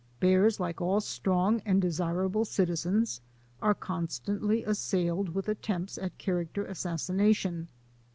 Bears, like all strong and desirable citizens, are constantly assailed with attempts at character assassination.